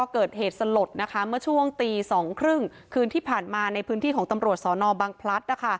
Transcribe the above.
เกิดเหตุสลดนะคะเมื่อช่วงตี๒๓๐คืนที่ผ่านมาในพื้นที่ของตำรวจสนบังพลัด